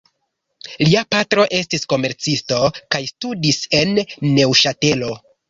Lia patro estis komercisto, kaj studis en Neŭŝatelo.